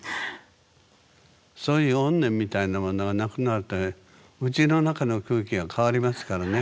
そういう怨念みたいなものがなくなるとうちの中の空気が変わりますからね。